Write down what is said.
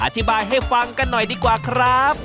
อธิบายให้ฟังกันหน่อยดีกว่าครับ